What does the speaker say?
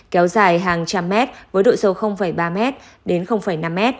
kéo dài hàng trăm mét với độ sâu ba m đến năm m